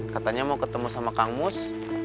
katanya mau ketemu sama kangus